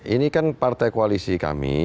ini kan partai koalisi kami